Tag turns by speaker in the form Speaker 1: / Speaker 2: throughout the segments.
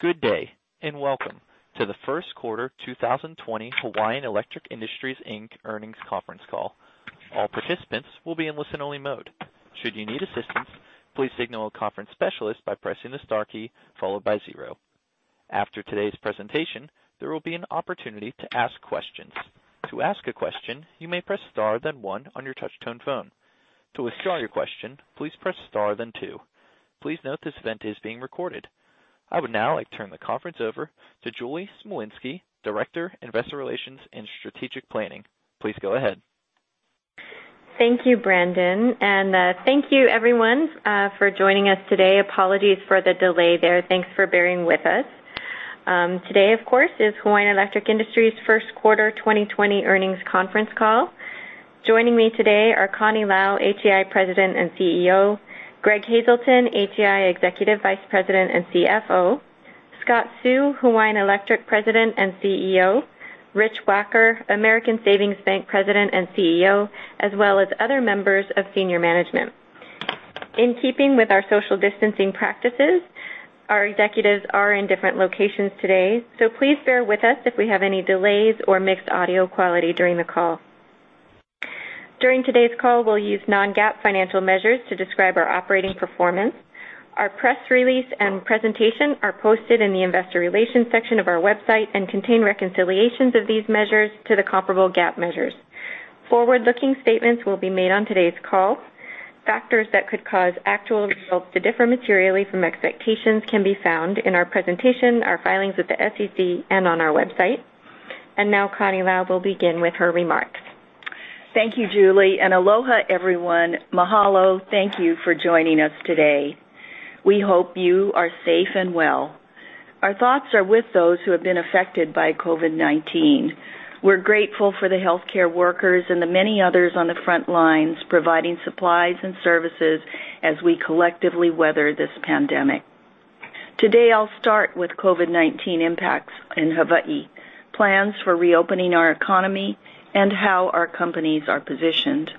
Speaker 1: Good day, and welcome to the first quarter 2020 Hawaiian Electric Industries Inc. earnings conference call. All participants will be in listen-only mode. Should you need assistance, please signal a conference specialist by pressing the star key followed by zero. After today's presentation, there will be an opportunity to ask questions. To ask a question, you may press star, then one on your touch-tone phone. To withdraw your question, please press star then two. Please note this event is being recorded. I would now like to turn the conference over to Julie Smolinski, Director, Investor Relations and Strategic Planning. Please go ahead.
Speaker 2: Thank you, Brandon. Thank you everyone for joining us today. Apologies for the delay there. Thanks for bearing with us. Today, of course, is Hawaiian Electric Industries' first quarter 2020 earnings conference call. Joining me today are Connie Lau, HEI President and CEO, Greg Hazelton, HEI Executive Vice President and CFO, Scott Seu, Hawaiian Electric President and CEO, Rich Wacker, American Savings Bank President and CEO, as well as other members of senior management. In keeping with our social distancing practices, our executives are in different locations today. Please bear with us if we have any delays or mixed audio quality during the call. During today's call, we'll use non-GAAP financial measures to describe our operating performance. Our press release and presentation are posted in the investor relations section of our website and contain reconciliations of these measures to the comparable GAAP measures. Forward-looking statements will be made on today's call. Factors that could cause actual results to differ materially from expectations can be found in our presentation, our filings with the SEC, and on our website. Now Connie Lau will begin with her remarks.
Speaker 3: Thank you, Julie, and Aloha everyone. Mahalo. Thank you for joining us today. We hope you are safe and well. Our thoughts are with those who have been affected by COVID-19. We're grateful for the healthcare workers and the many others on the front lines providing supplies and services as we collectively weather this pandemic. Today, I'll start with COVID-19 impacts in Hawaii, plans for reopening our economy, and how our companies are positioned.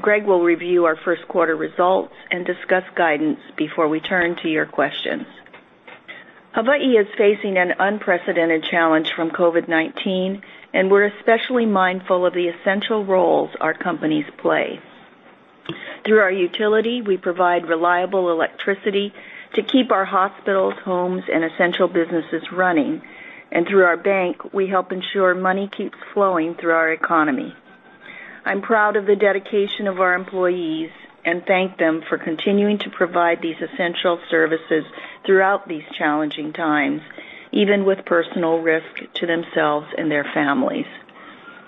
Speaker 3: Greg will review our first quarter results and discuss guidance before we turn to your questions. Hawaii is facing an unprecedented challenge from COVID-19, and we're especially mindful of the essential roles our companies play. Through our utility, we provide reliable electricity to keep our hospitals, homes, and essential businesses running, and through our bank, we help ensure money keeps flowing through our economy. I'm proud of the dedication of our employees and thank them for continuing to provide these essential services throughout these challenging times, even with personal risk to themselves and their families.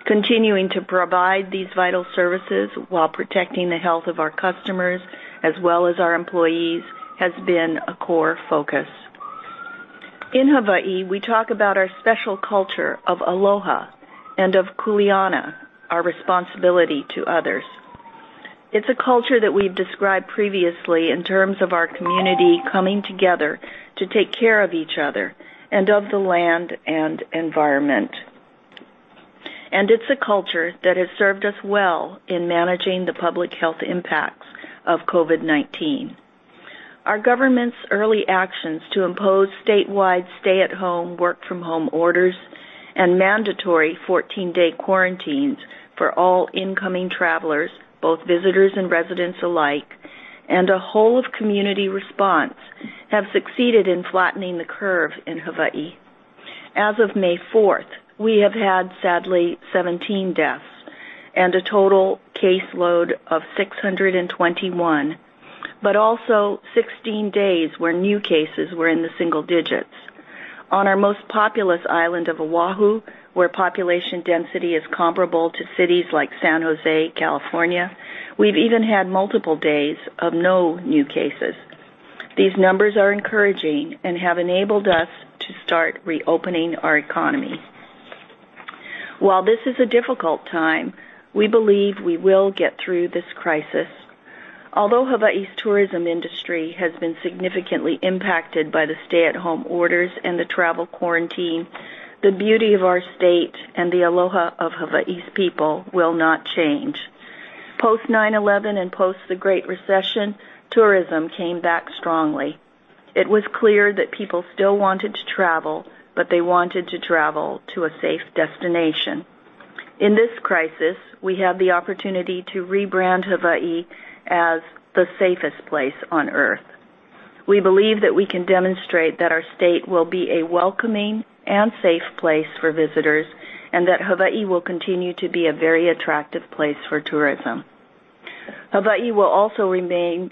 Speaker 3: Continuing to provide these vital services while protecting the health of our customers as well as our employees has been a core focus. In Hawaii, we talk about our special culture of Aloha and of Kuleana, our responsibility to others. It's a culture that we've described previously in terms of our community coming together to take care of each other and of the land and environment. It's a culture that has served us well in managing the public health impacts of COVID-19. Our government's early actions to impose statewide stay-at-home, work-from-home orders and mandatory 14-day quarantines for all incoming travelers, both visitors and residents alike, and a whole-of-community response have succeeded in flattening the curve in Hawaii. As of May fourth, we have had sadly 17 deaths and a total caseload of 621, but also 16 days where new cases were in the single digits. On our most populous island of Oahu, where population density is comparable to cities like San Jose, California, we've even had multiple days of no new cases. These numbers are encouraging and have enabled us to start reopening our economy. While this is a difficult time, we believe we will get through this crisis. Although Hawaii's tourism industry has been significantly impacted by the stay-at-home orders and the travel quarantine, the beauty of our state and the Aloha of Hawaii's people will not change. Post 9/11 and post the Great Recession, tourism came back strongly. It was clear that people still wanted to travel, but they wanted to travel to a safe destination. In this crisis, we have the opportunity to rebrand Hawaii as the safest place on Earth. We believe that we can demonstrate that our state will be a welcoming and safe place for visitors, and that Hawaii will continue to be a very attractive place for tourism. Hawaii will also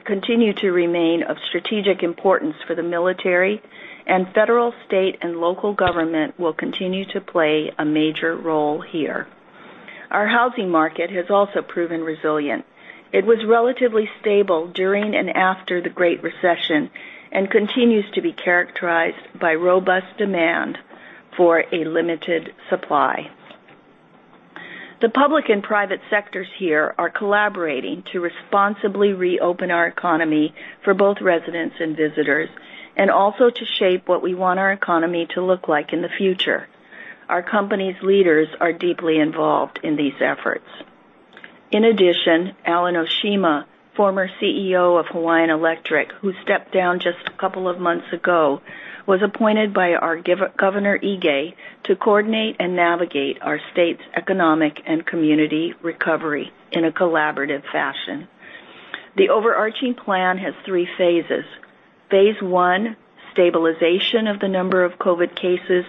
Speaker 3: continue to remain of strategic importance for the military, and federal, state, and local government will continue to play a major role here. Our housing market has also proven resilient. It was relatively stable during and after the Great Recession and continues to be characterized by robust demand for a limited supply. The public and private sectors here are collaborating to responsibly reopen our economy for both residents and visitors, and also to shape what we want our economy to look like in the future. Our company's leaders are deeply involved in these efforts. In addition, Alan Oshima, former CEO of Hawaiian Electric, who stepped down just a couple of months ago, was appointed by our Governor Ige to coordinate and navigate our state's economic and community recovery in a collaborative fashion. The overarching plan has 3 phases. Phase 1, stabilization of the number of COVID cases.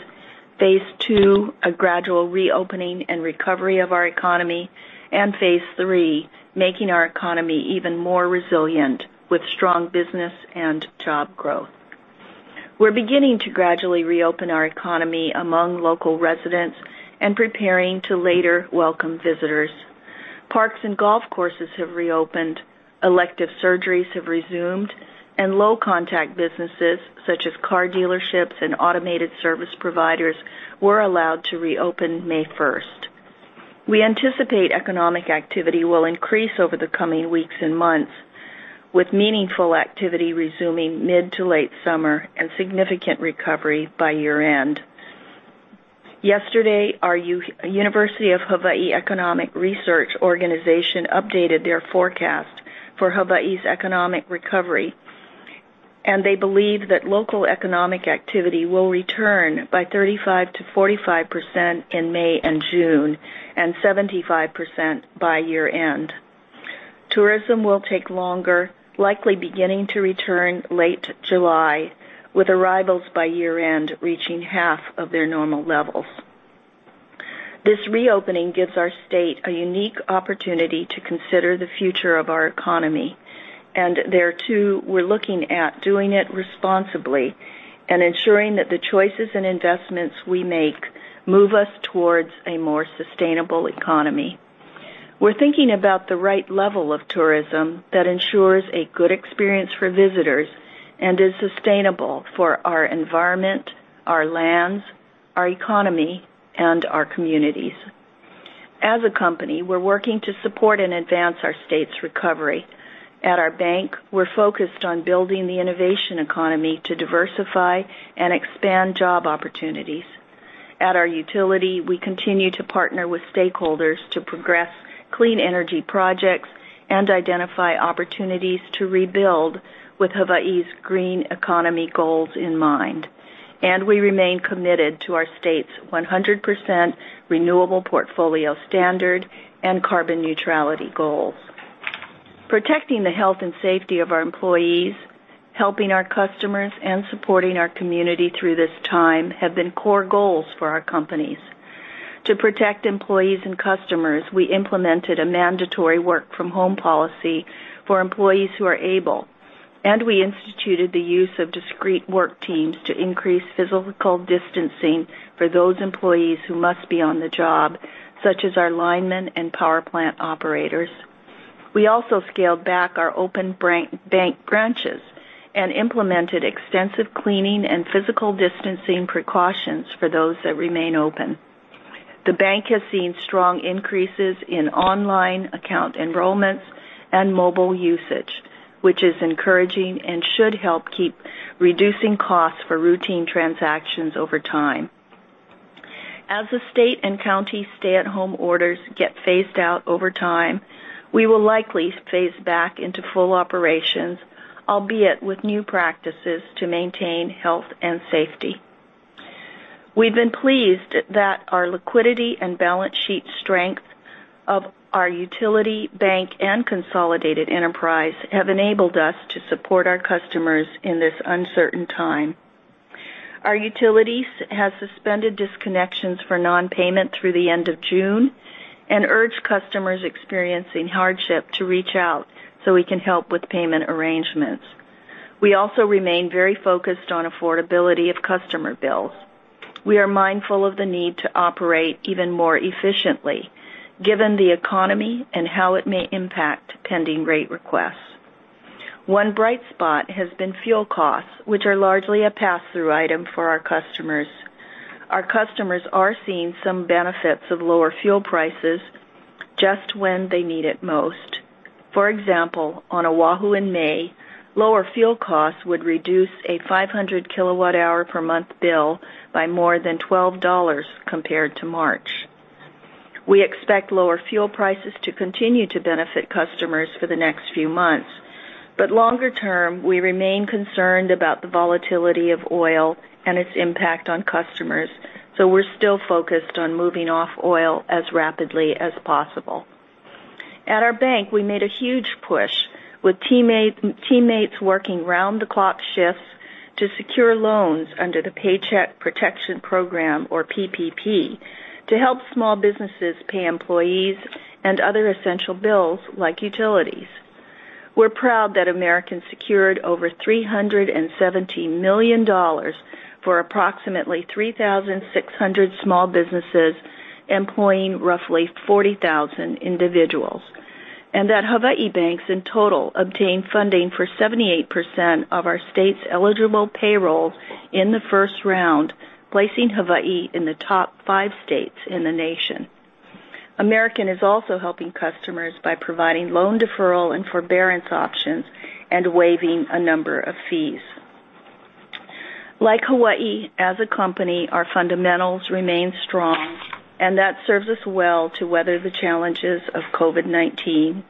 Speaker 3: Phase 2, a gradual reopening and recovery of our economy. Phase 3, making our economy even more resilient with strong business and job growth. We're beginning to gradually reopen our economy among local residents and preparing to later welcome visitors. Parks and golf courses have reopened, elective surgeries have resumed, and low-contact businesses, such as car dealerships and automated service providers, were allowed to reopen May 1st. We anticipate economic activity will increase over the coming weeks and months, with meaningful activity resuming mid to late summer and significant recovery by year-end. Yesterday, our University of Hawaii Economic Research Organization updated their forecast for Hawaii's economic recovery. They believe that local economic activity will return by 35%-45% in May and June and 75% by year-end. Tourism will take longer, likely beginning to return late July, with arrivals by year-end reaching half of their normal levels. This reopening gives our state a unique opportunity to consider the future of our economy. Thereto, we're looking at doing it responsibly and ensuring that the choices and investments we make move us towards a more sustainable economy. We're thinking about the right level of tourism that ensures a good experience for visitors and is sustainable for our environment, our lands, our economy, and our communities. As a company, we're working to support and advance our state's recovery. At our bank, we're focused on building the innovation economy to diversify and expand job opportunities. At our utility, we continue to partner with stakeholders to progress clean energy projects and identify opportunities to rebuild with Hawaii's green economy goals in mind. We remain committed to our state's 100% renewable portfolio standard and carbon neutrality goals. Protecting the health and safety of our employees, helping our customers, and supporting our community through this time have been core goals for our companies. To protect employees and customers, we implemented a mandatory work from home policy for employees who are able, and we instituted the use of discrete work teams to increase physical distancing for those employees who must be on the job, such as our linemen and power plant operators. We also scaled back our open bank branches and implemented extensive cleaning and physical distancing precautions for those that remain open. The bank has seen strong increases in online account enrollments and mobile usage, which is encouraging and should help keep reducing costs for routine transactions over time. As the state and county stay-at-home orders get phased out over time, we will likely phase back into full operations, albeit with new practices to maintain health and safety. We've been pleased that our liquidity and balance sheet strength of our utility bank and consolidated enterprise have enabled us to support our customers in this uncertain time. Our utilities have suspended disconnections for non-payment through the end of June and urge customers experiencing hardship to reach out so we can help with payment arrangements. We also remain very focused on affordability of customer bills. We are mindful of the need to operate even more efficiently given the economy and how it may impact pending rate requests. One bright spot has been fuel costs, which are largely a pass-through item for our customers. Our customers are seeing some benefits of lower fuel prices just when they need it most. For example, on Oahu in May, lower fuel costs would reduce a 500 kilowatt-hour per month bill by more than $12 compared to March. We expect lower fuel prices to continue to benefit customers for the next few months. Longer term, we remain concerned about the volatility of oil and its impact on customers, so we're still focused on moving off oil as rapidly as possible. At our bank, we made a huge push with teammates working round-the-clock shifts to secure loans under the Paycheck Protection Program, or PPP, to help small businesses pay employees and other essential bills like utilities. We're proud that American secured over $317 million for approximately 3,600 small businesses employing roughly 40,000 individuals. That Hawaii banks in total obtained funding for 78% of our state's eligible payroll in the first round, placing Hawaii in the top five states in the nation. American is also helping customers by providing loan deferral and forbearance options and waiving a number of fees. Like Hawaii, as a company, our fundamentals remain strong, and that serves us well to weather the challenges of COVID-19.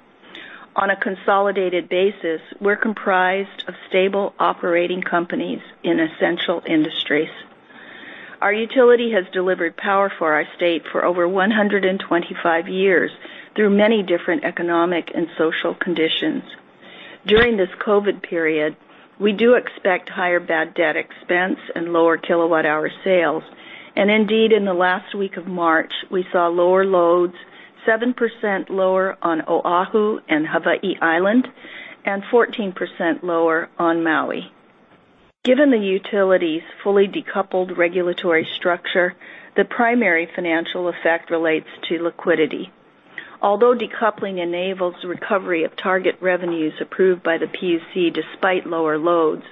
Speaker 3: On a consolidated basis, we're comprised of stable operating companies in essential industries. Our utility has delivered power for our state for over 125 years through many different economic and social conditions. During this COVID-19 period, we do expect higher bad debt expense and lower kilowatt-hour sales. Indeed, in the last week of March, we saw lower loads, 7% lower on Oahu and Hawaii Island, and 14% lower on Maui. Given the utility's fully decoupled regulatory structure, the primary financial effect relates to liquidity. Although decoupling enables recovery of target revenues approved by the PUC despite lower loads,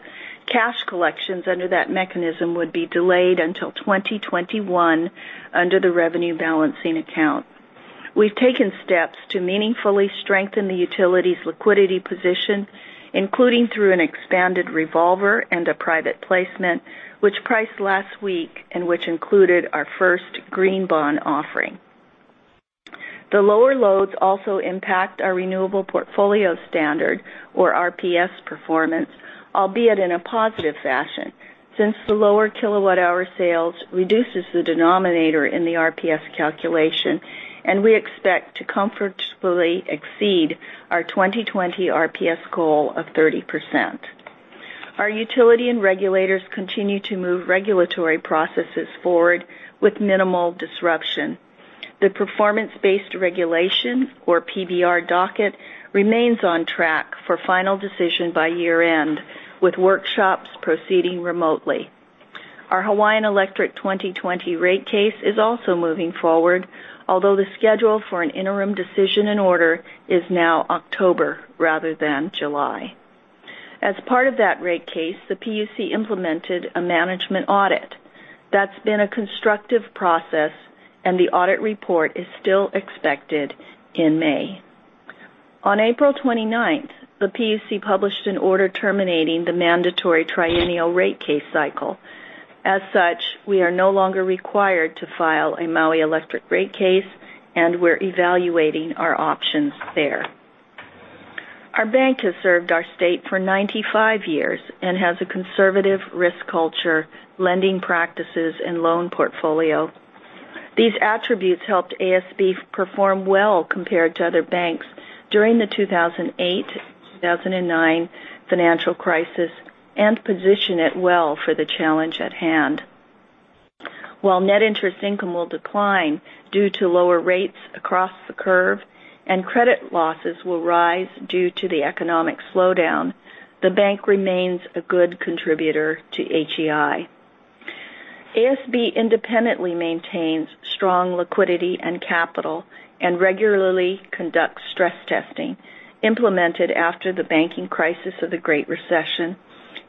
Speaker 3: cash collections under that mechanism would be delayed until 2021 under the Revenue Balancing Account. We've taken steps to meaningfully strengthen the utility's liquidity position, including through an expanded revolver and a private placement, which priced last week and which included our first green bond offering. The lower loads also impact our renewable portfolio standard, or RPS performance, albeit in a positive fashion, since the lower kilowatt hour sales reduces the denominator in the RPS calculation, and we expect to comfortably exceed our 2020 RPS goal of 30%. Our utility and regulators continue to move regulatory processes forward with minimal disruption. The performance-based regulation, or PBR docket, remains on track for final decision by year-end, with workshops proceeding remotely. Our Hawaiian Electric 2020 rate case is also moving forward, although the schedule for an interim decision and order is now October rather than July. As part of that rate case, the PUC implemented a management audit. That's been a constructive process, and the audit report is still expected in May. On April 29th, the PUC published an order terminating the mandatory triennial rate case cycle. As such, we are no longer required to file a Maui Electric rate case, and we're evaluating our options there. Our bank has served our state for 95 years and has a conservative risk culture, lending practices, and loan portfolio. These attributes helped ASB perform well compared to other banks during the 2008-2009 financial crisis and position it well for the challenge at hand. While net interest income will decline due to lower rates across the curve and credit losses will rise due to the economic slowdown, the bank remains a good contributor to HEI. ASB independently maintains strong liquidity and capital and regularly conducts stress testing implemented after the banking crisis of the Great Recession,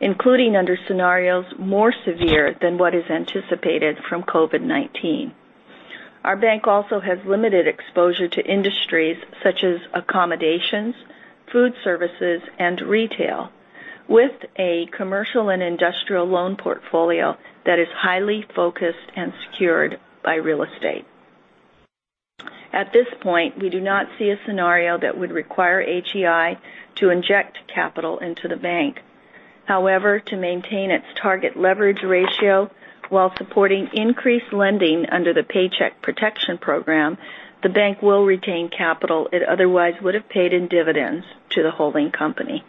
Speaker 3: including under scenarios more severe than what is anticipated from COVID-19. Our bank also has limited exposure to industries such as accommodations, food services, and retail, with a commercial and industrial loan portfolio that is highly focused and secured by real estate. At this point, we do not see a scenario that would require HEI to inject capital into the bank. However, to maintain its target leverage ratio while supporting increased lending under the Paycheck Protection Program, the bank will retain capital it otherwise would have paid in dividends to the holding company.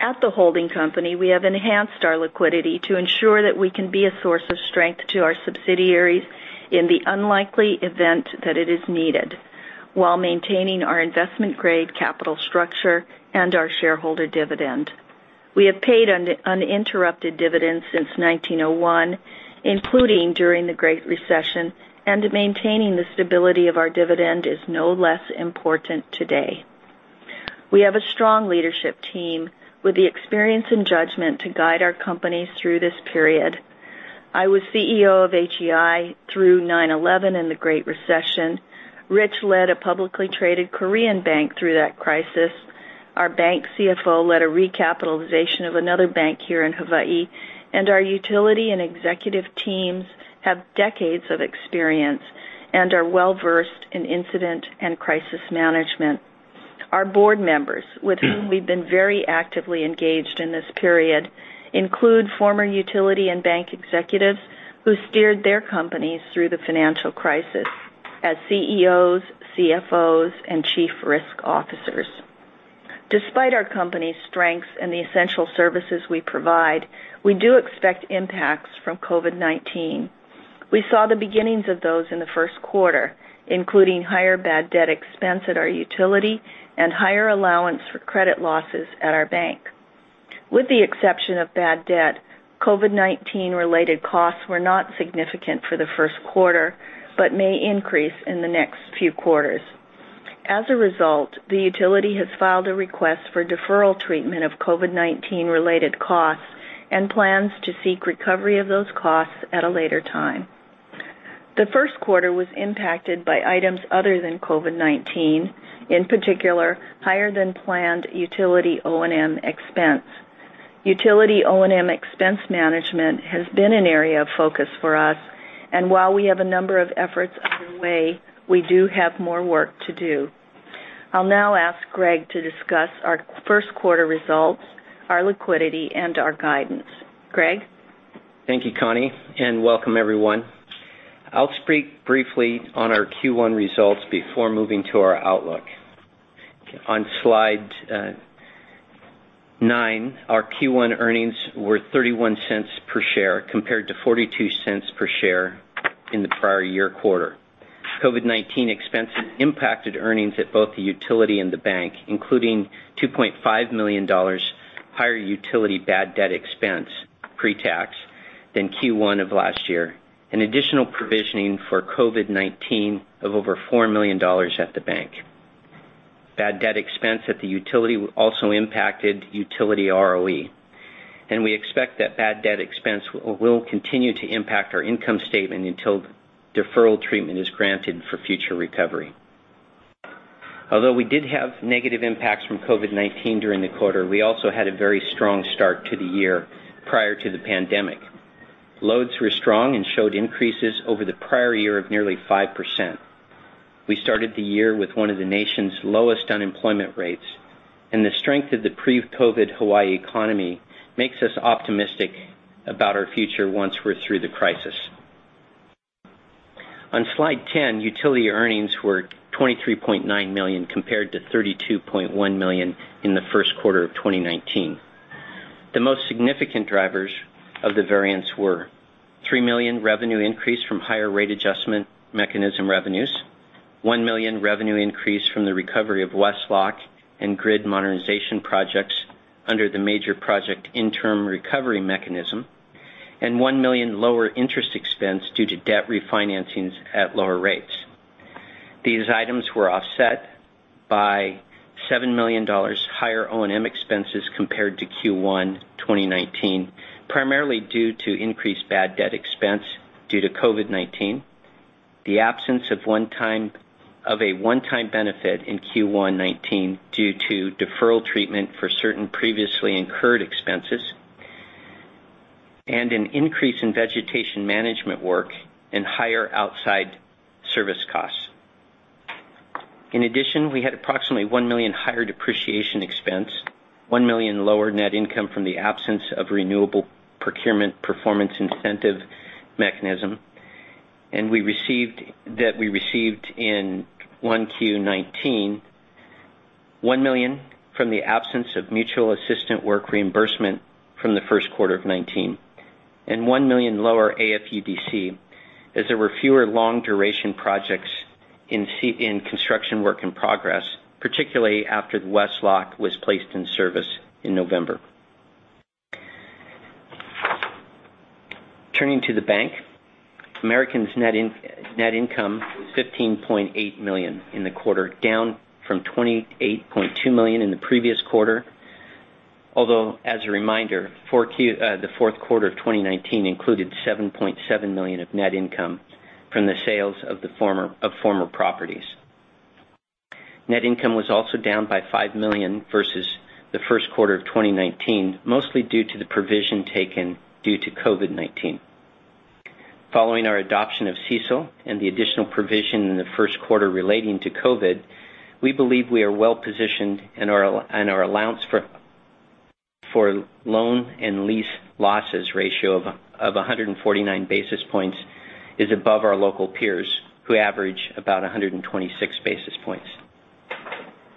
Speaker 3: At the holding company, we have enhanced our liquidity to ensure that we can be a source of strength to our subsidiaries in the unlikely event that it is needed while maintaining our investment-grade capital structure and our shareholder dividend. We have paid an uninterrupted dividend since 1901, including during the Great Recession, and maintaining the stability of our dividend is no less important today. We have a strong leadership team with the experience and judgment to guide our companies through this period. I was CEO of HEI through 9/11 and the Great Recession. Rich led a publicly traded Korean bank through that crisis. Our bank CFO led a recapitalization of another bank here in Hawaii, and our utility and executive teams have decades of experience and are well-versed in incident and crisis management. Our board members, with whom we've been very actively engaged in this period, include former utility and bank executives who steered their companies through the financial crisis as CEOs, CFOs, and Chief Risk Officers. Despite our company's strengths and the essential services we provide, we do expect impacts from COVID-19. We saw the beginnings of those in the first quarter, including higher bad debt expense at our utility and higher allowance for credit losses at our bank. With the exception of bad debt, COVID-19-related costs were not significant for the first quarter, but may increase in the next few quarters. The utility has filed a request for deferral treatment of COVID-19-related costs and plans to seek recovery of those costs at a later time. The first quarter was impacted by items other than COVID-19, in particular, higher than planned utility O&M expense. Utility O&M expense management has been an area of focus for us, and while we have a number of efforts underway, we do have more work to do. I'll now ask Greg to discuss our first quarter results, our liquidity, our guidance. Greg?
Speaker 4: Thank you, Connie, and welcome everyone. I'll speak briefly on our Q1 results before moving to our outlook. On slide nine, our Q1 earnings were $0.31 per share, compared to $0.42 per share in the prior year quarter. COVID-19 expenses impacted earnings at both the utility and the bank, including $2.5 million higher utility bad debt expense pre-tax than Q1 of last year, and an additional provisioning for COVID-19 of over $4 million at the bank. Bad debt expense at the utility also impacted utility ROE. We expect that bad debt expense will continue to impact our income statement until deferral treatment is granted for future recovery. Although we did have negative impacts from COVID-19 during the quarter, we also had a very strong start to the year prior to the pandemic. Loads were strong and showed increases over the prior year of nearly 5%. We started the year with one of the nation's lowest unemployment rates. The strength of the pre-COVID Hawaii economy makes us optimistic about our future once we're through the crisis. On slide 10, utility earnings were $23.9 million, compared to $32.1 million in the first quarter of 2019. The most significant drivers of the variance were $3 million revenue increase from higher rate adjustment mechanism revenues, $1 million revenue increase from the recovery of West Loch and grid modernization projects under the Major Project Interim Recovery mechanism. One million lower interest expense due to debt refinancings at lower rates. These items were offset by $7 million higher O&M expenses compared to Q1 2019, primarily due to increased bad debt expense due to COVID-19. The absence of a one-time benefit in Q1 '19 due to deferral treatment for certain previously incurred expenses, and an increase in vegetation management work and higher outside service costs. In addition, we had approximately $1 million higher depreciation expense, $1 million lower net income from the absence of renewable procurement performance incentive mechanism that we received in Q1 '19, $1 million from the absence of mutual assistant work reimbursement from the first quarter of '19, and $1 million lower AFUDC, as there were fewer long duration projects in construction work in progress, particularly after the West Loch was placed in service in November. Turning to the bank, American's net income was $15.8 million in the quarter, down from $28.2 million in the previous quarter. Although, as a reminder, the fourth quarter of 2019 included $7.7 million of net income from the sales of former properties. Net income was also down by $5 million versus the first quarter of 2019, mostly due to the provision taken due to COVID-19. Following our adoption of CECL and the additional provision in the first quarter relating to COVID, we believe we are well-positioned and our allowance for loan and lease losses ratio of 149 basis points is above our local peers, who average about 126 basis points.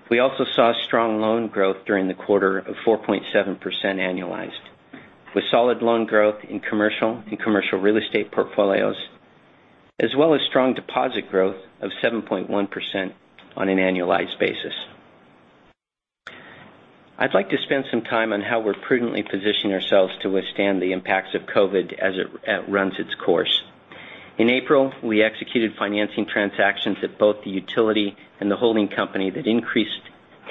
Speaker 4: We also saw strong loan growth during the quarter of 4.7% annualized, with solid loan growth in commercial and commercial real estate portfolios, as well as strong deposit growth of 7.1% on an annualized basis. I'd like to spend some time on how we're prudently positioning ourselves to withstand the impacts of COVID as it runs its course. In April, we executed financing transactions at both the utility and the holding company that increased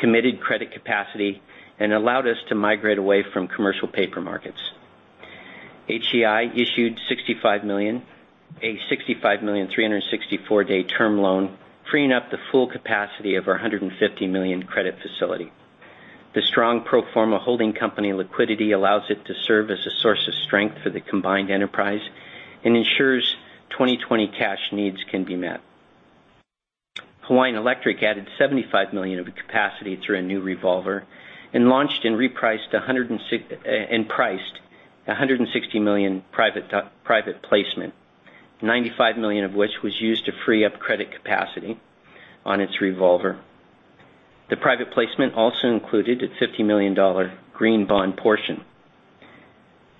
Speaker 4: committed credit capacity and allowed us to migrate away from commercial paper markets. HEI issued a $65,000,000 364-day term loan, freeing up the full capacity of our $150 million credit facility. The strong pro forma holding company liquidity allows it to serve as a source of strength for the combined enterprise and ensures 2020 cash needs can be met. Hawaiian Electric added $75 million of capacity through a new revolver and launched and priced $160 million private placement, $95 million of which was used to free up credit capacity on its revolver. The private placement also included a $50 million green bond portion.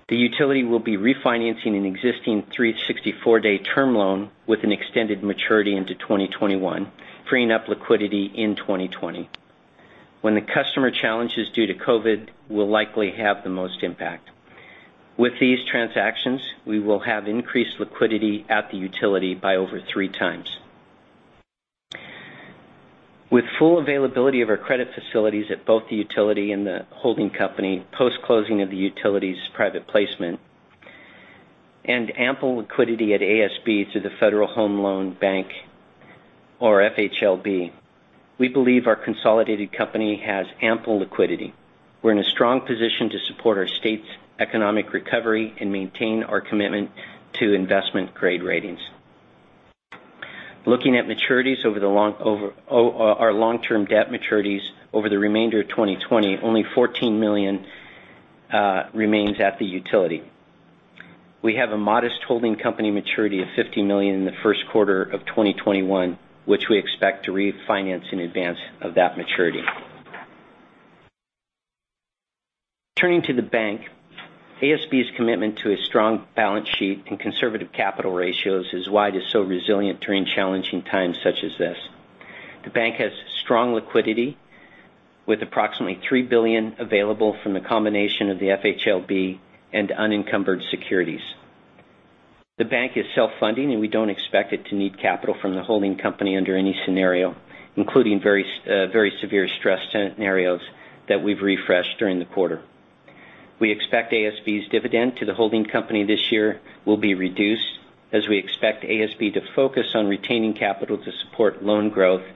Speaker 4: The utility will be refinancing an existing 364-day term loan with an extended maturity into 2021, freeing up liquidity in 2020. When the customer challenges due to COVID will likely have the most impact. With these transactions, we will have increased liquidity at the utility by over three times. With full availability of our credit facilities at both the utility and the holding company, post-closing of the utility's private placement, and ample liquidity at ASB through the Federal Home Loan Bank or FHLB, we believe our consolidated company has ample liquidity. We're in a strong position to support our state's economic recovery and maintain our commitment to investment-grade ratings. Looking at our long-term debt maturities over the remainder of 2020, only $14 million remains at the utility. We have a modest holding company maturity of $50 million in the first quarter of 2021, which we expect to refinance in advance of that maturity. Turning to the bank, ASB's commitment to a strong balance sheet and conservative capital ratios is why it is so resilient during challenging times such as this. The bank has strong liquidity, with approximately $3 billion available from the combination of the FHLB and unencumbered securities. The bank is self-funding, and we don't expect it to need capital from the holding company under any scenario, including very severe stress scenarios that we've refreshed during the quarter. We expect ASB's dividend to the holding company this year will be reduced as we expect ASB to focus on retaining capital to support loan growth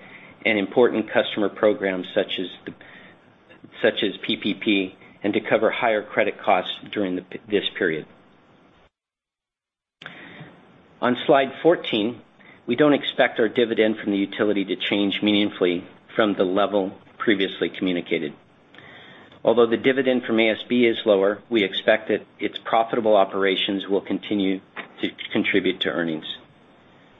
Speaker 4: and important customer programs such as PPP, and to cover higher credit costs during this period. On slide 14, we don't expect our dividend from the utility to change meaningfully from the level previously communicated. Although the dividend from ASB is lower, we expect that its profitable operations will continue to contribute to earnings.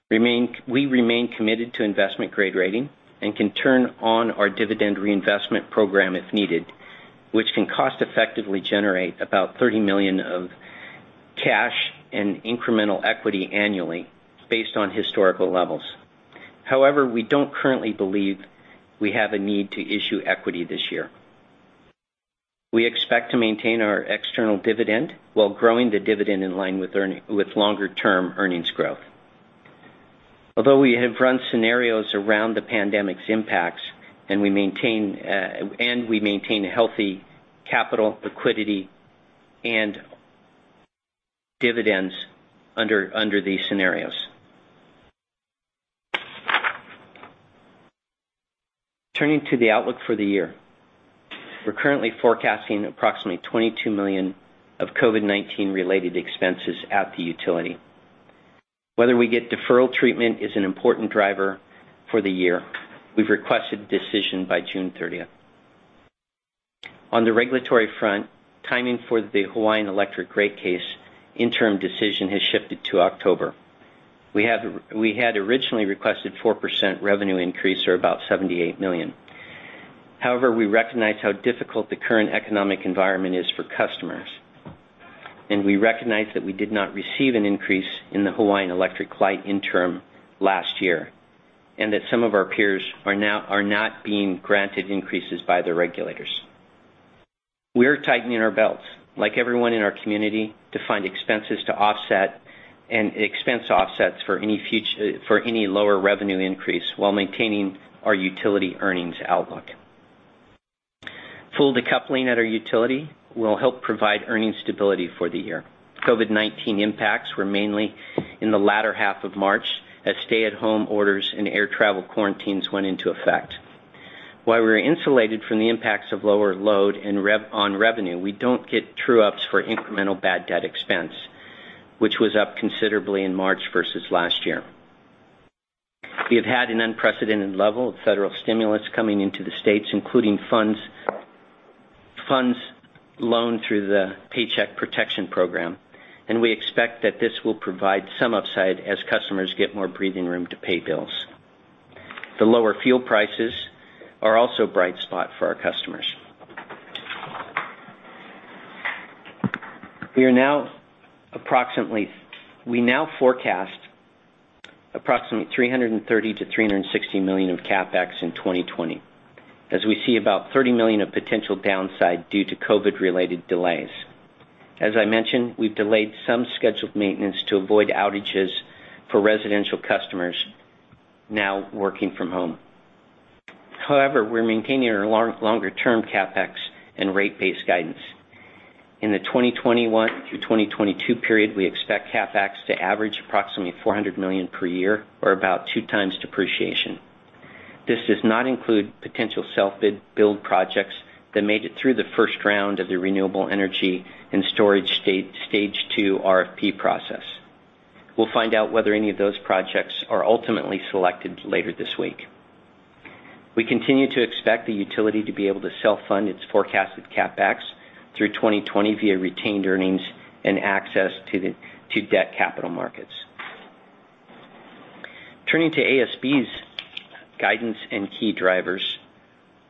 Speaker 4: We remain committed to investment-grade rating and can turn on our dividend reinvestment program if needed, which can cost-effectively generate about $30 million of cash and incremental equity annually based on historical levels. However, we don't currently believe we have a need to issue equity this year. We expect to maintain our external dividend while growing the dividend in line with longer-term earnings growth. Although we have run scenarios around the pandemic's impacts, and we maintain a healthy capital liquidity and dividends under these scenarios. Turning to the outlook for the year. We're currently forecasting approximately $22 million of COVID-19 related expenses at the utility. Whether we get deferral treatment is an important driver for the year. We've requested a decision by June 30th. On the regulatory front, timing for the Hawaiian Electric rate case interim decision has shifted to October. We had originally requested a 4% revenue increase or about $78 million. We recognize how difficult the current economic environment is for customers, and we recognize that we did not receive an increase in the Hawaii Electric Light interim last year, and that some of our peers are not being granted increases by the regulators. We are tightening our belts, like everyone in our community, to find expenses to offset and expense offsets for any lower revenue increase while maintaining our utility earnings outlook. Full decoupling at our utility will help provide earnings stability for the year. COVID-19 impacts were mainly in the latter half of March as stay-at-home orders and air travel quarantines went into effect. While we're insulated from the impacts of lower load on revenue, we don't get true-ups for incremental bad debt expense, which was up considerably in March versus last year. We have had an unprecedented level of federal stimulus coming into the states, including funds loaned through the Paycheck Protection Program and we expect that this will provide some upside as customers get more breathing room to pay bills. The lower fuel prices are also a bright spot for our customers. We now forecast approximately $330 million-$360 million of CapEx in 2020, as we see about $30 million of potential downside due to COVID-related delays. As I mentioned, we've delayed some scheduled maintenance to avoid outages for residential customers now working from home. We're maintaining our longer-term CapEx and rate base guidance. In the 2021-2022 period, we expect CapEx to average approximately $400 million per year or about two times depreciation. This does not include potential self-build projects that made it through the first round of the renewable energy and storage stage 2 RFP process. We'll find out whether any of those projects are ultimately selected later this week. We continue to expect the utility to be able to self-fund its forecasted CapEx through 2020 via retained earnings and access to debt capital markets. Turning to ASB's guidance and key drivers,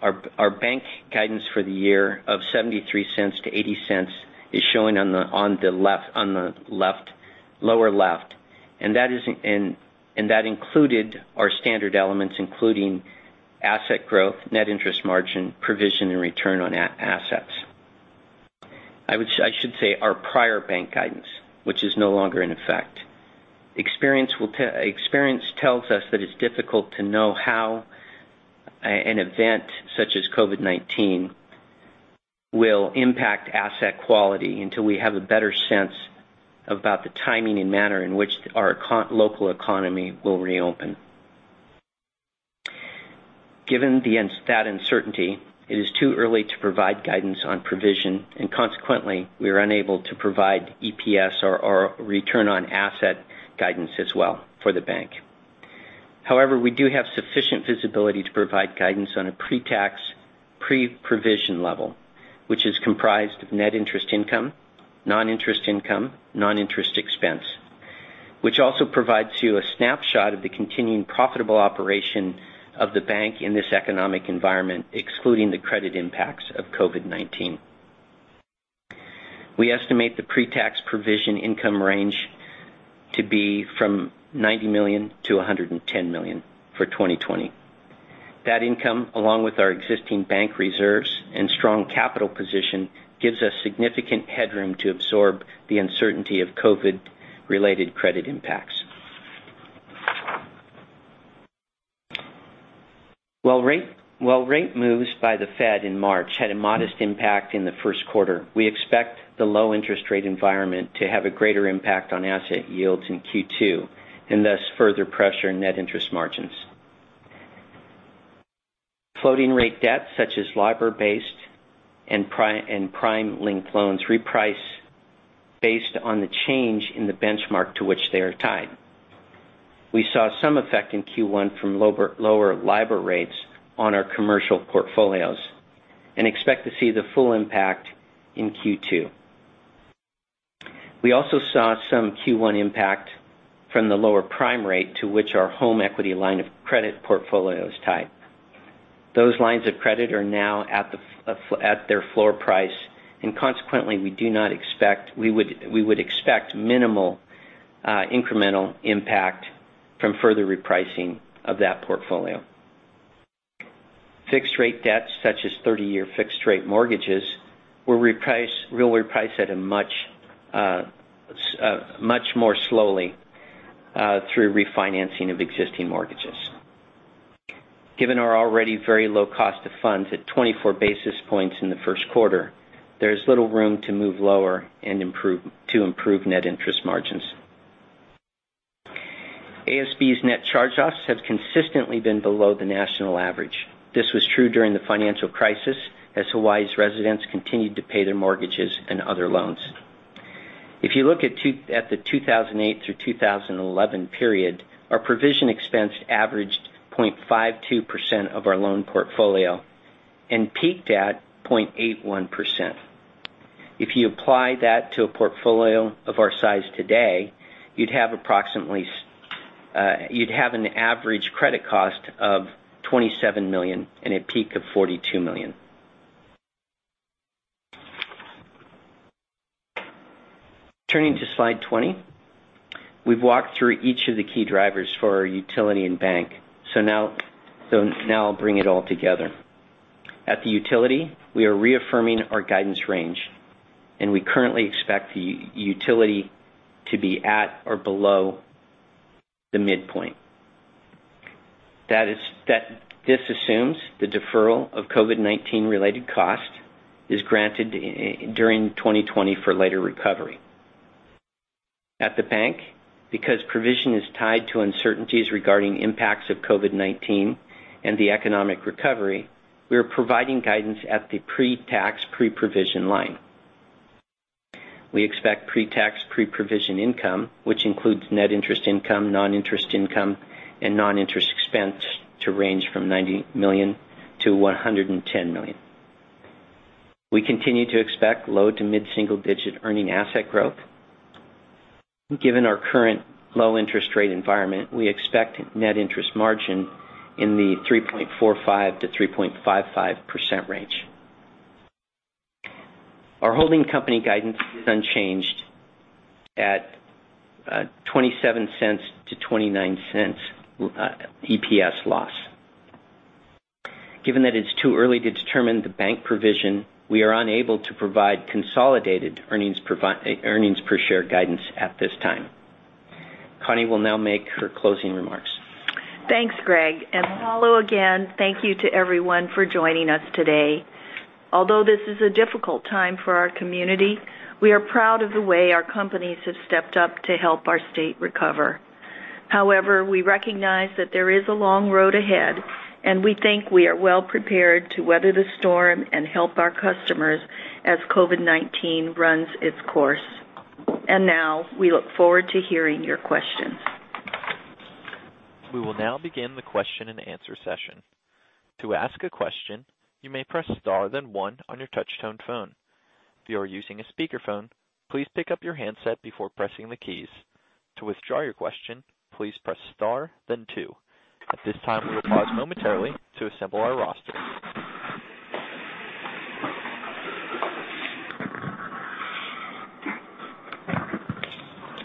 Speaker 4: our bank guidance for the year of $0.73-$0.80 is showing on the lower left. That included our standard elements, including asset growth, net interest margin, provision, and return on assets. I should say our prior bank guidance, which is no longer in effect. Experience tells us that it's difficult to know how an event such as COVID-19 will impact asset quality until we have a better sense about the timing and manner in which our local economy will reopen. Given that uncertainty, it is too early to provide guidance on provision, and consequently, we are unable to provide EPS or return on asset guidance as well for the bank. However, we do have sufficient visibility to provide guidance on a pre-tax, pre-provision level, which is comprised of net interest income, non-interest income, non-interest expense, which also provides you a snapshot of the continuing profitable operation of the bank in this economic environment, excluding the credit impacts of COVID-19. We estimate the pre-tax, pre-provision income range to be from $90 million-$110 million for 2020. That income, along with our existing bank reserves and strong capital position, gives us significant headroom to absorb the uncertainty of COVID-related credit impacts. Rate moves by the Fed in March had a modest impact in the first quarter, we expect the low interest rate environment to have a greater impact on asset yields in Q2, and thus further pressure net interest margins. Floating rate debt such as LIBOR-based and prime-linked loans reprice based on the change in the benchmark to which they are tied. We saw some effect in Q1 from lower LIBOR rates on our commercial portfolios and expect to see the full impact in Q2. We also saw some Q1 impact from the lower prime rate to which our home equity line of credit portfolio is tied. Those lines of credit are now at their floor price, and consequently, we would expect minimal incremental impact from further repricing of that portfolio. Fixed rate debts such as 30-year fixed rate mortgages will reprice at a much more slowly through refinancing of existing mortgages. Given our already very low cost of funds at 24 basis points in the first quarter, there is little room to move lower to improve net interest margins. ASB's net charge-offs have consistently been below the national average. This was true during the financial crisis, as Hawaii's residents continued to pay their mortgages and other loans. If you look at the 2008 through 2011 period, our provision expense averaged 0.52% of our loan portfolio and peaked at 0.81%. If you apply that to a portfolio of our size today, you'd have an average credit cost of $27 million and a peak of $42 million. Turning to slide 20. We've walked through each of the key drivers for our utility and bank. Now I'll bring it all together. At the utility, we are reaffirming our guidance range, and we currently expect the utility to be at or below the midpoint. This assumes the deferral of COVID-19 related costs is granted during 2020 for later recovery. At the bank, because provision is tied to uncertainties regarding impacts of COVID-19 and the economic recovery, we are providing guidance at the pre-tax, pre-provision line. We expect pre-tax, pre-provision income, which includes net interest income, non-interest income, and non-interest expense to range from $90 million-$110 million. We continue to expect low to mid-single digit earning asset growth. Given our current low interest rate environment, we expect net interest margin in the 3.45%-3.55% range. Our holding company guidance is unchanged at $0.27-$0.29 EPS loss. Given that it's too early to determine the bank provision, we are unable to provide consolidated earnings per share guidance at this time. Connie will now make her closing remarks.
Speaker 3: Thanks, Greg. Hello again. Thank you to everyone for joining us today. Although this is a difficult time for our community, we are proud of the way our companies have stepped up to help our state recover. However, we recognize that there is a long road ahead, and we think we are well prepared to weather the storm and help our customers as COVID-19 runs its course. Now, we look forward to hearing your questions.
Speaker 1: We will now begin the question and answer session. To ask a question, you may press star then one on your touch tone phone. If you are using a speakerphone, please pick up your handset before pressing the keys. To withdraw your question, please press star then two. At this time, we will pause momentarily to assemble our roster.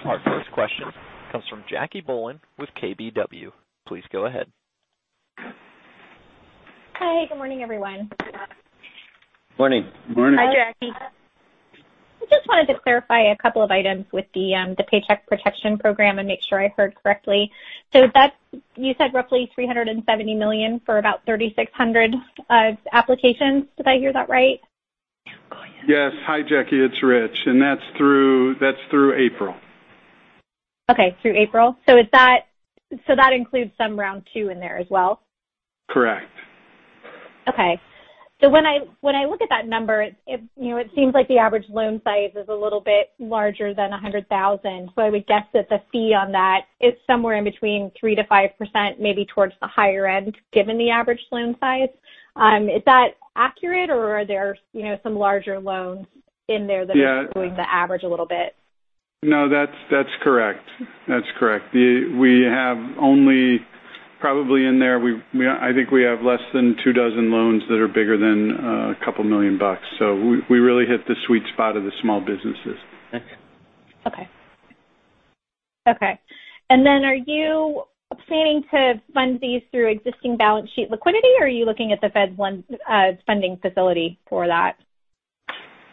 Speaker 1: Our first question comes from Jackie Boland with KBW. Please go ahead.
Speaker 5: Hi, good morning, everyone.
Speaker 6: Morning.
Speaker 3: Morning.
Speaker 2: Hi, Jackie.
Speaker 5: I just wanted to clarify a couple of items with the Paycheck Protection Program and make sure I heard correctly. You said roughly $370 million for about 3,600 applications. Did I hear that right?
Speaker 6: Yes. Hi, Jackie. It's Rich. That's through April.
Speaker 5: Okay. Through April? That includes some round 2 in there as well?
Speaker 6: Correct.
Speaker 5: Okay. When I look at that number, it seems like the average loan size is a little bit larger than $100,000. I would guess that the fee on that is somewhere in between 3%-5%, maybe towards the higher end, given the average loan size. Is that accurate or are there some larger loans in there?
Speaker 6: Yeah
Speaker 5: throwing the average a little bit?
Speaker 6: No, that's correct. Probably in there, I think we have less than 2 dozen loans that are bigger than a couple million bucks. We really hit the sweet spot of the small businesses.
Speaker 5: Okay. Then are you planning to fund these through existing balance sheet liquidity, or are you looking at the Fed funding facility for that?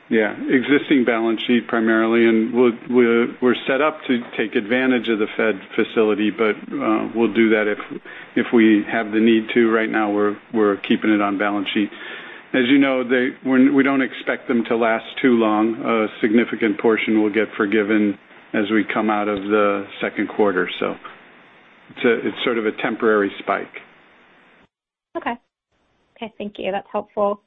Speaker 6: Yeah. Existing balance sheet primarily. We're set up to take advantage of the Fed facility, but we'll do that if we have the need to. Right now, we're keeping it on balance sheet. As you know, we don't expect them to last too long. A significant portion will get forgiven as we come out of the second quarter. It's sort of a temporary spike.
Speaker 5: Okay. Thank you. That's helpful.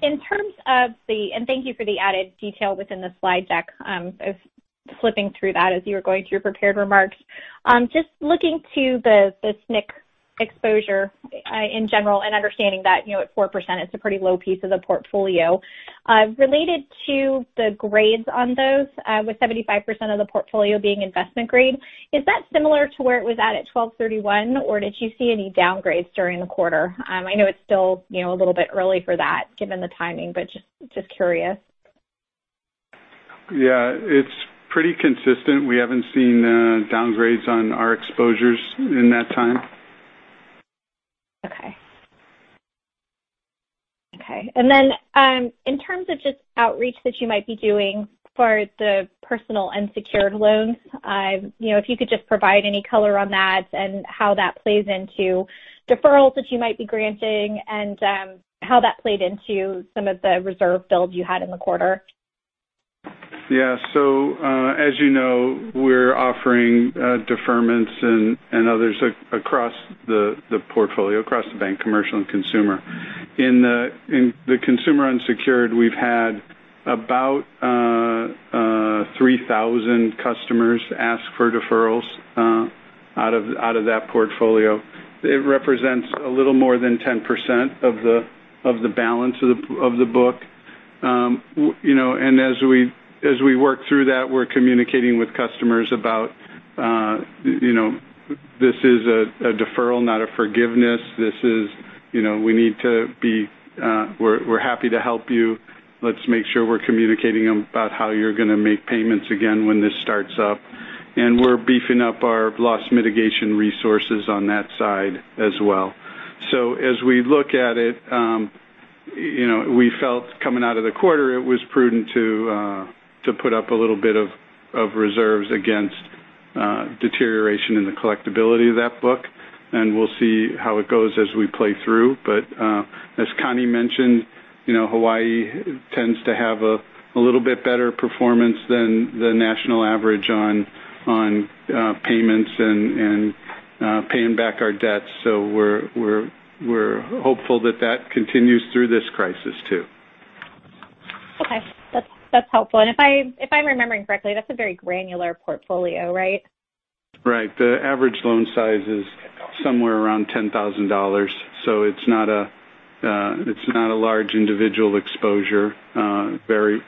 Speaker 5: Thank you for the added detail within the slide deck. I was flipping through that as you were going through your prepared remarks. Just looking to the SNC exposure, in general, and understanding that at 4%, it's a pretty low piece of the portfolio. Related to the grades on those, with 75% of the portfolio being investment grade, is that similar to where it was at at 12/31, or did you see any downgrades during the quarter? I know it's still a little bit early for that given the timing, but just curious.
Speaker 6: Yeah. It's pretty consistent. We haven't seen downgrades on our exposures in that time.
Speaker 5: Okay. Then in terms of just outreach that you might be doing for the personal unsecured loans, if you could just provide any color on that and how that plays into deferrals that you might be granting and how that played into some of the reserve build you had in the quarter.
Speaker 6: Yeah. As you know, we're offering deferments and others across the portfolio, across the bank, commercial, and consumer. In the consumer unsecured, we've had about 3,000 customers ask for deferrals out of that portfolio. It represents a little more than 10% of the balance of the book. As we work through that, we're communicating with customers about this is a deferral, not a forgiveness. We're happy to help you. Let's make sure we're communicating about how you're going to make payments again when this starts up. We're beefing up our loss mitigation resources on that side as well. As we look at it, we felt coming out of the quarter, it was prudent to put up a little bit of reserves against deterioration in the collectibility of that book, and we'll see how it goes as we play through. As Connie mentioned, Hawaii tends to have a little bit better performance than the national average on payments and paying back our debts. We're hopeful that that continues through this crisis too.
Speaker 5: Okay. That's helpful. If I'm remembering correctly, that's a very granular portfolio, right?
Speaker 6: Right. The average loan size is somewhere around $10,000. It's not a large individual exposure. Very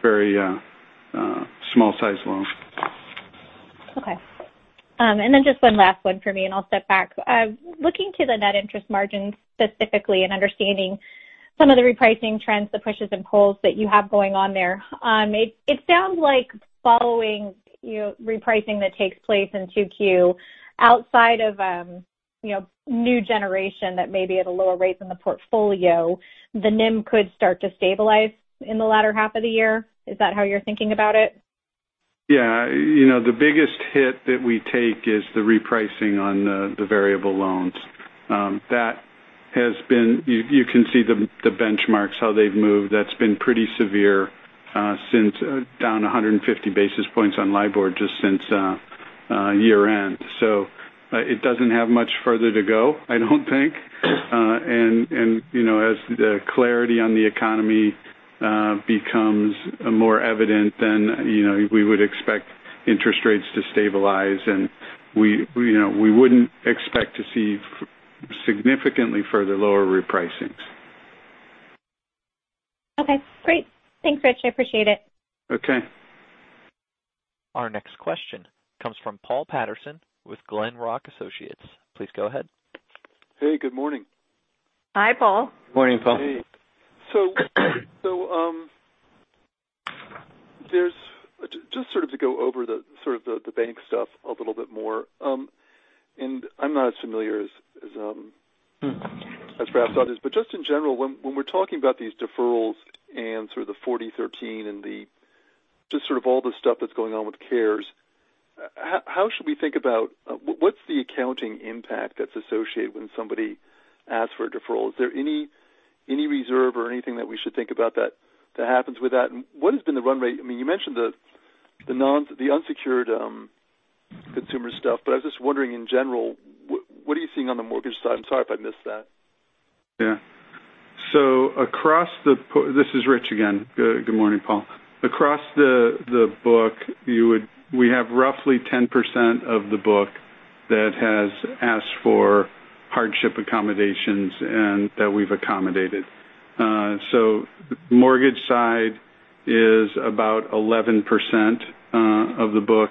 Speaker 6: small size loans.
Speaker 5: Okay. Just one last one for me, I'll step back. Looking to the net interest margin specifically and understanding some of the repricing trends, the pushes and pulls that you have going on there. It sounds like following repricing that takes place in 2Q, outside of new generation that may be at a lower rate than the portfolio, the NIM could start to stabilize in the latter half of the year. Is that how you're thinking about it?
Speaker 6: Yeah. The biggest hit that we take is the repricing on the variable loans. You can see the benchmarks, how they've moved. That's been pretty severe, down 150 basis points on LIBOR just since year-end. It doesn't have much further to go, I don't think. As the clarity on the economy becomes more evident, we would expect interest rates to stabilize, and we wouldn't expect to see significantly further lower repricings.
Speaker 5: Okay, great. Thanks, Rich. I appreciate it.
Speaker 6: Okay.
Speaker 1: Our next question comes from Paul Patterson with Glenrock Associates. Please go ahead.
Speaker 7: Hey, good morning.
Speaker 3: Hi, Paul.
Speaker 4: Morning, Paul.
Speaker 7: Hey. Just sort of to go over the bank stuff a little bit more, and I'm not as familiar as perhaps others. Just in general, when we're talking about these deferrals and sort of the 4013 and just sort of all the stuff that's going on with CARES, what's the accounting impact that's associated when somebody asks for a deferral? Is there any reserve or anything that we should think about that happens with that? What has been the run rate? You mentioned the unsecured consumer stuff, but I was just wondering in general, what are you seeing on the mortgage side? I'm sorry if I missed that.
Speaker 6: Yeah. This is Rich Wacker again. Good morning, Paul. Across the book, we have roughly 10% of the book that has asked for hardship accommodations, and that we've accommodated. The mortgage side is about 11% of the book.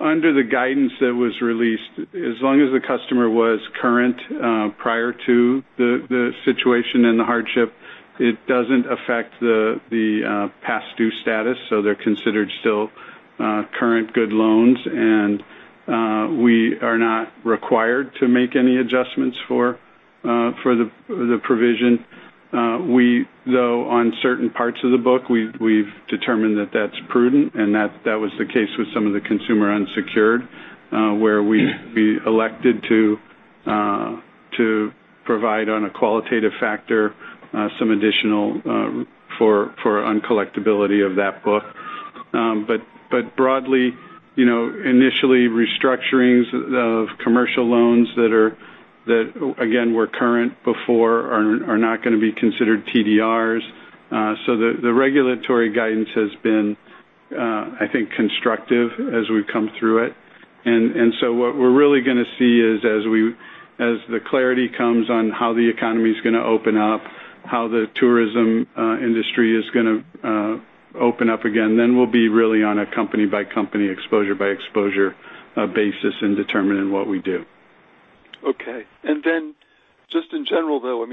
Speaker 6: Under the guidance that was released, as long as the customer was current prior to the situation and the hardship, it doesn't affect the past-due status. They're considered still current good loans, and we are not required to make any adjustments for the provision. We, though, on certain parts of the book, we've determined that that's prudent, and that was the case with some of the consumer unsecured where we elected to provide on a qualitative factor some additional for uncollectibility of that book. Broadly, initially, restructurings of commercial loans that, again, were current before are not going to be considered TDRs. The regulatory guidance has been I think constructive as we've come through it. What we're really going to see is as the clarity comes on how the economy's going to open up, how the tourism industry is going to open up again, then we'll be really on a company-by-company, exposure-by-exposure basis in determining what we do.
Speaker 7: Okay. Just in general, though,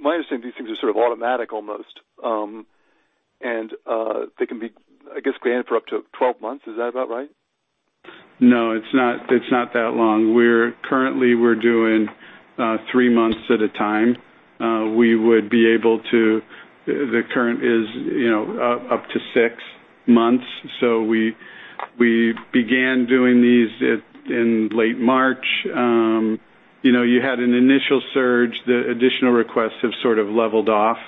Speaker 7: my understanding, these things are sort of automatic almost. They can be, I guess, granted for up to 12 months. Is that about right?
Speaker 6: No, it's not that long. Currently, we're doing three months at a time. The current is up to six months. We began doing these in late March. You had an initial surge. The additional requests have sort of leveled off.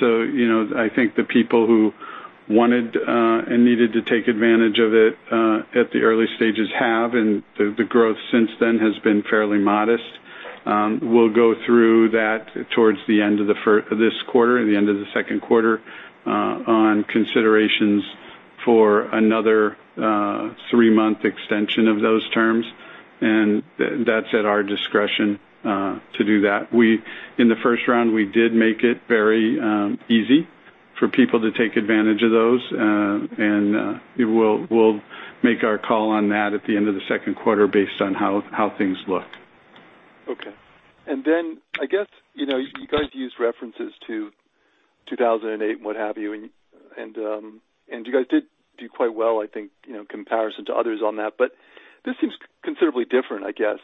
Speaker 6: I think the people who wanted and needed to take advantage of it at the early stages have, and the growth since then has been fairly modest. We'll go through that towards the end of this quarter, the end of the second quarter on considerations for another three-month extension of those terms, and that's at our discretion to do that. In the first round, we did make it very easy for people to take advantage of those, and we'll make our call on that at the end of the second quarter based on how things look.
Speaker 7: Okay. Then I guess you guys used references to 2008 and what have you, and you guys did do quite well, I think, in comparison to others on that. This seems considerably different, I guess.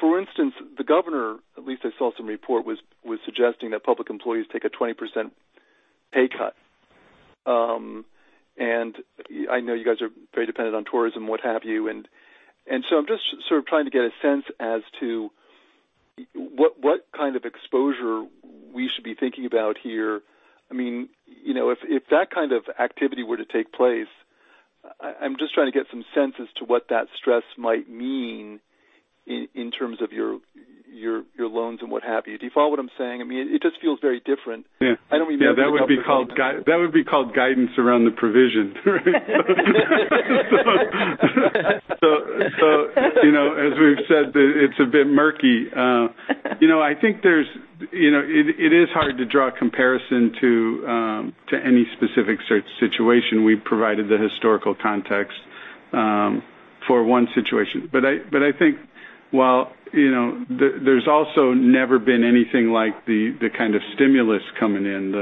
Speaker 7: For instance, the Governor, at least I saw some report, was suggesting that public employees take a 20% pay cut. I know you guys are very dependent on tourism and what have you. I'm just sort of trying to get a sense as to what kind of exposure we should be thinking about here. If that kind of activity were to take place, I'm just trying to get some sense as to what that stress might mean in terms of your loans and what have you. Do you follow what I'm saying? It just feels very different.
Speaker 6: Yeah.
Speaker 7: I don't mean to-
Speaker 6: That would be called guidance around the provision, right? As we've said, it's a bit murky. It is hard to draw a comparison to any specific situation. We've provided the historical context for one situation. I think while there's also never been anything like the kind of stimulus coming in.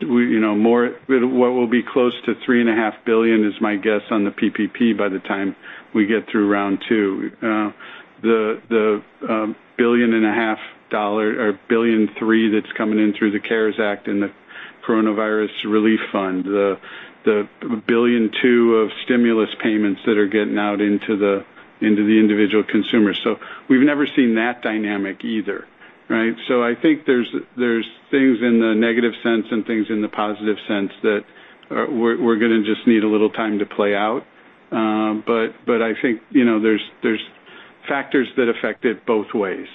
Speaker 6: What will be close to $3.5 billion is my guess on the PPP by the time we get through round two. The $1.5 billion or $1.3 billion that's coming in through the CARES Act and the Coronavirus Relief Fund. The $1.2 billion of stimulus payments that are getting out into the individual consumer. We've never seen that dynamic either, right? I think there's things in the negative sense and things in the positive sense that we're going to just need a little time to play out. I think there's factors that affect it both ways.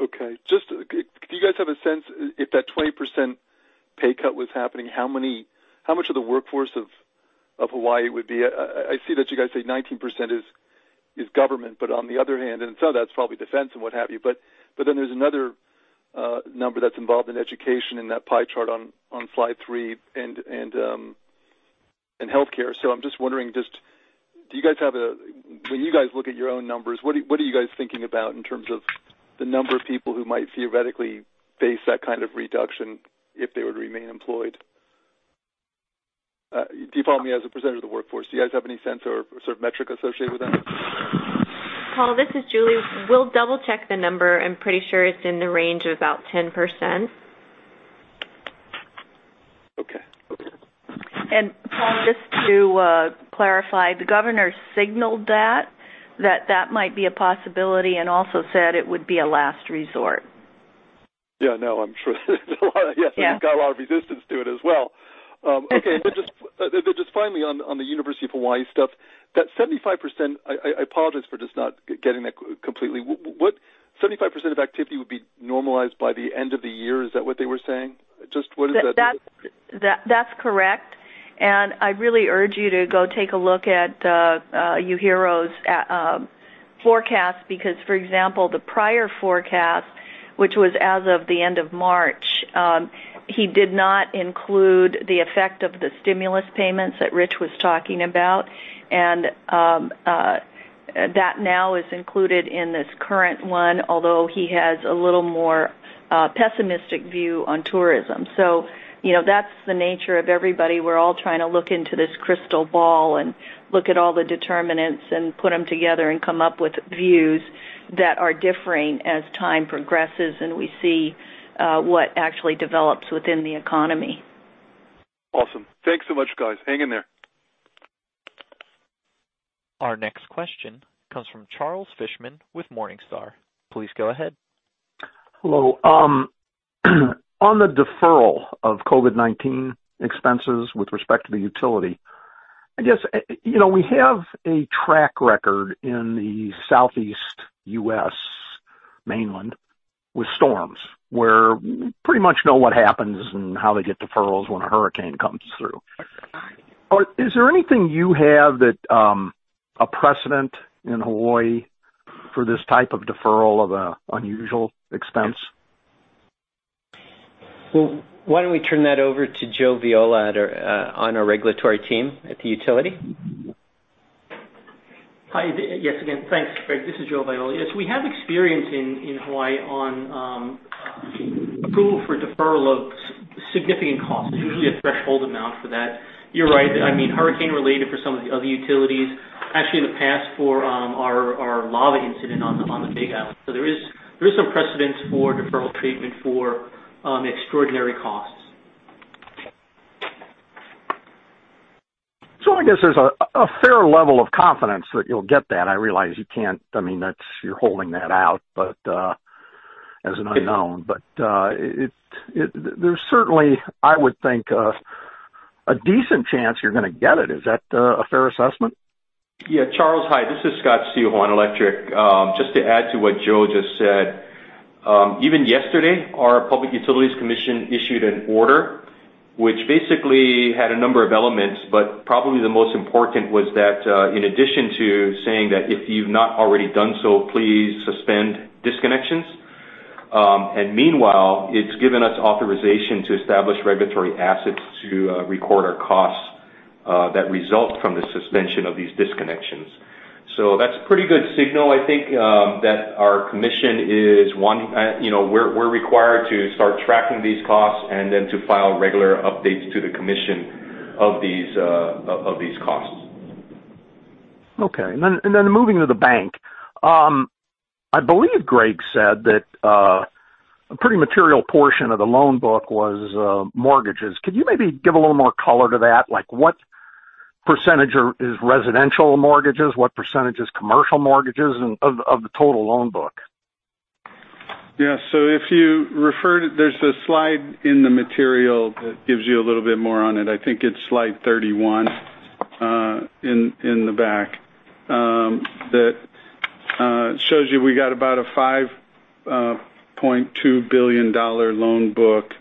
Speaker 7: Okay. Do you guys have a sense if that 20% pay cut was happening, how much of the workforce of? Of Hawaii would be I see that you guys say 19% is government. On the other hand, and some of that's probably defense and what have you. Then there's another number that's involved in education in that pie chart on Slide three, and healthcare. I'm just wondering, when you guys look at your own numbers, what are you guys thinking about in terms of the number of people who might theoretically face that kind of reduction if they were to remain employed? Do you follow me? As a percentage of the workforce, do you guys have any sense or sort of metric associated with that?
Speaker 2: Paul, this is Julie. We'll double check the number. I'm pretty sure it's in the range of about 10%.
Speaker 7: Okay.
Speaker 3: Paul, just to clarify, the governor signaled that that might be a possibility, and also said it would be a last resort.
Speaker 7: Yeah. No, I'm sure. Yes. Yeah. It got a lot of resistance to it as well. Okay. Just finally on the University of Hawaii stuff, that 75%, I apologize for just not getting that completely. 75% of activity would be normalized by the end of the year, is that what they were saying? Just what does that mean?
Speaker 3: That's correct. I really urge you to go take a look at UHERO's forecast because, for example, the prior forecast, which was as of the end of March, he did not include the effect of the stimulus payments that Rich was talking about. That now is included in this current one, although he has a little more pessimistic view on tourism. That's the nature of everybody. We're all trying to look into this crystal ball and look at all the determinants and put them together and come up with views that are differing as time progresses and we see what actually develops within the economy.
Speaker 7: Awesome. Thanks so much, guys. Hang in there.
Speaker 1: Our next question comes from Charles Fishman with Morningstar. Please go ahead.
Speaker 8: Hello. On the deferral of COVID-19 expenses with respect to the utility, I guess, we have a track record in the southeast U.S. mainland with storms, where we pretty much know what happens and how they get deferrals when a hurricane comes through. Is there anything you have, a precedent in Hawaii for this type of deferral of an unusual expense?
Speaker 4: Well, why don't we turn that over to Joe Viola on our regulatory team at the utility?
Speaker 9: Hi. Yes again. Thanks, Greg. This is Joe Viola. Yes, we have experience in Hawaii on approval for deferral of significant costs. There's usually a threshold amount for that. You're right, hurricane related for some of the other utilities. Actually, in the past for our lava incident on the Big Island. There is some precedence for deferral treatment for extraordinary costs.
Speaker 8: I guess there's a fair level of confidence that you'll get that. I realize you're holding that out, but as an unknown. There's certainly, I would think, a decent chance you're going to get it. Is that a fair assessment?
Speaker 10: Yeah. Charles, hi. This is Scott Seu of Hawaiian Electric. Just to add to what Joe just said. Even yesterday, our Public Utilities Commission issued an order which basically had a number of elements, but probably the most important was that in addition to saying that if you've not already done so, please suspend disconnections. Meanwhile, it's given us authorization to establish regulatory assets to record our costs that result from the suspension of these disconnections. That's a pretty good signal, I think, that our commission is one. We're required to start tracking these costs and then to file regular updates to the commission of these costs.
Speaker 8: Okay. Moving to the bank. I believe Greg said that a pretty material portion of the loan book was mortgages. Could you maybe give a little more color to that? What percentage is residential mortgages, what percentage is commercial mortgages, of the total loan book?
Speaker 2: Yeah. There's a slide in the material that gives you a little bit more on it. I think it's Slide 31 in the back. That shows you we got about a $5.2 billion loan book.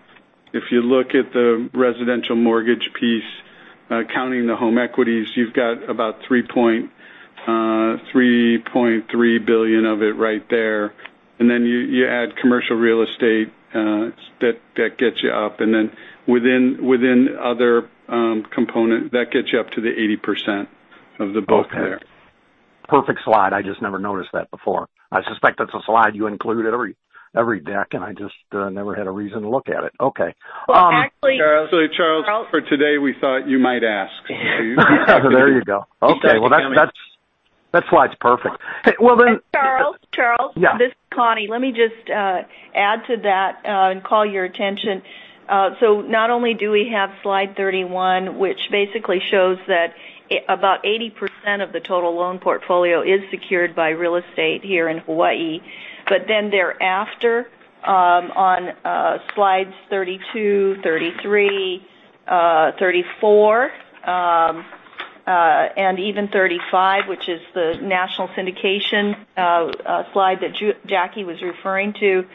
Speaker 2: If you look at the residential mortgage piece, counting the home equities, you've got about $3.3 billion of it right there. You add commercial real estate, that gets you up. Within other component, that gets you up to the 80% of the book there.
Speaker 8: Okay. Perfect slide. I just never noticed that before. I suspect that's a slide you include at every deck, and I just never had a reason to look at it. Okay.
Speaker 3: Well, actually, Charles,
Speaker 2: Charles, for today, we thought you might ask.
Speaker 8: There you go. Okay. Well, that slide's perfect.
Speaker 3: Charles?
Speaker 8: Yeah.
Speaker 3: This is Connie. Let me just add to that and call your attention. Not only do we have Slide 31, which basically shows that about 80% of the total loan portfolio is secured by real estate here in Hawaii, but then thereafter, on Slides 32, 33, 34 and even 35, which is the national syndication slide that Jackie was referring to.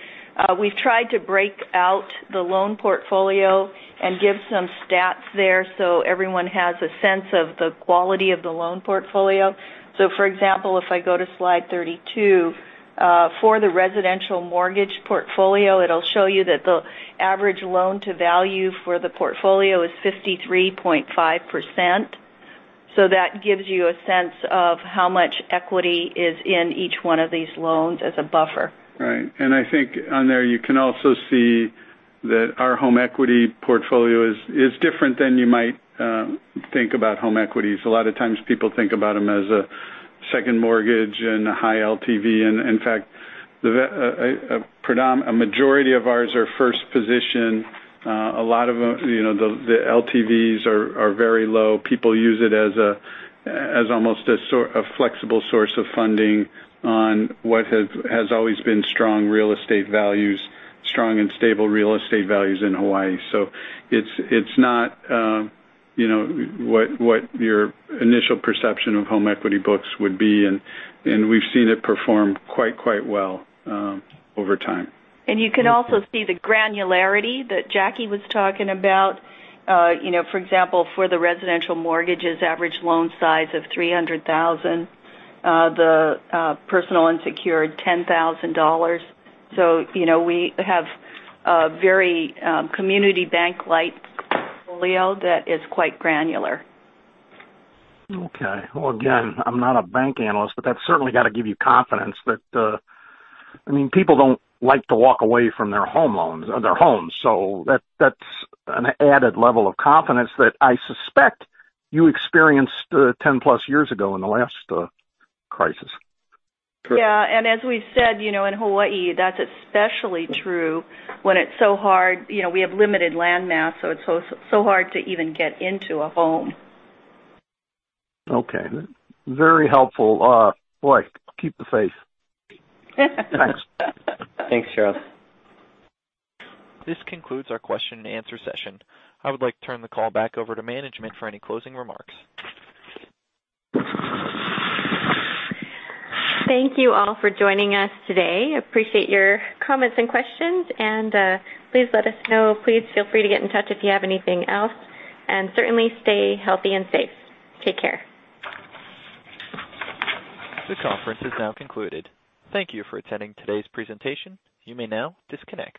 Speaker 3: We've tried to break out the loan portfolio and give some stats there so everyone has a sense of the quality of the loan portfolio. For example, if I go to slide 32, for the residential mortgage portfolio, it'll show you that the average loan to value for the portfolio is 53.5%. That gives you a sense of how much equity is in each one of these loans as a buffer.
Speaker 6: Right. I think on there you can also see that our home equity portfolio is different than you might think about home equities. A lot of times people think about them as a second mortgage and a high LTV. In fact, a majority of ours are first position. A lot of the LTVs are very low. People use it as almost a flexible source of funding on what has always been strong real estate values, strong and stable real estate values in Hawaii. It's not what your initial perception of home equity books would be, and we've seen it perform quite well over time.
Speaker 3: You can also see the granularity that Jackie was talking about. For example, for the residential mortgages average loan size of $300,000, the personal unsecured, $10,000. We have a very community bank-like portfolio that is quite granular.
Speaker 8: Okay. Well, again, I'm not a bank analyst, but that's certainly got to give you confidence that. I mean, people don't like to walk away from their homes, so that's an added level of confidence that I suspect you experienced 10 plus years ago in the last crisis.
Speaker 3: Yeah. As we said, in Hawaii, that's especially true when it's so hard. We have limited land mass, so it's so hard to even get into a home.
Speaker 8: Okay. Very helpful. Boy, keep the faith. Thanks.
Speaker 3: Thanks, Charles.
Speaker 1: This concludes our question and answer session. I would like to turn the call back over to management for any closing remarks.
Speaker 3: Thank you all for joining us today. Appreciate your comments and questions, and please let us know. Please feel free to get in touch if you have anything else, and certainly stay healthy and safe. Take care.
Speaker 1: The conference is now concluded. Thank you for attending today's presentation. You may now disconnect.